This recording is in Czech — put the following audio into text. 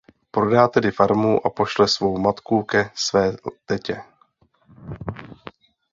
Prodá tedy farmu a pošle svou matku ke své tetě.